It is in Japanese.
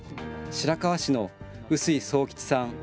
白河市の薄井惣吉さん。